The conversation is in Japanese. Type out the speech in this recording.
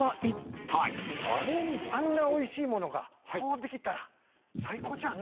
あんなおいしいものがこうできたら最高じゃん！